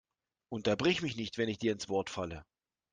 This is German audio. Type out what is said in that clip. Unterbrich mich nicht, wenn ich dir ins Wort falle!